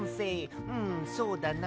んそうだな。